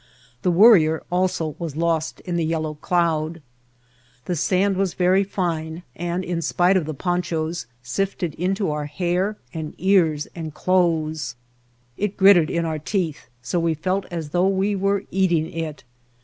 The Wor rier also was lost in the yellow cloud. The sand was very fine and, in spite of the ponchos, sifted into our hair and ears and clothes. It gritted in our teeth so we felt as though we were eating it.